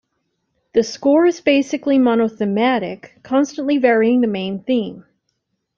The score is basically monothematic, constantly varying the main theme.